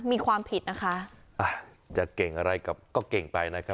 มีความผิดนะคะอ่ะจะเก่งอะไรกับก็เก่งไปนะครับ